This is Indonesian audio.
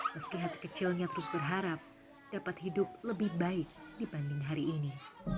meski hati kecilnya terus berharap dapat hidup lebih baik dibanding hari ini